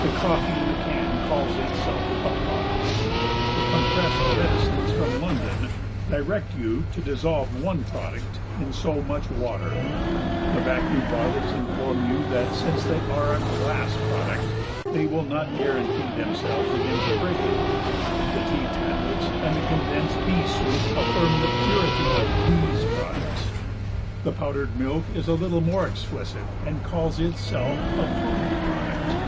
The coffee in the can calls itself a product. The compressed medicines from London direct you to "dissolve one product" in so much water; the vacuum bottles inform you that since they are a "glass product" they will not guarantee themselves against breakage; the tea tablets and the condensed pea soup affirm the purity of "these products"; the powdered milk is a little more explicit and calls itself a "food product."